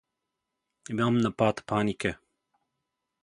Imam napad panike.